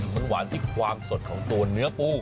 มันหวานที่ความสดของตัวเนื้อปู